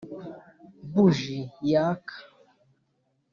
buji yaka,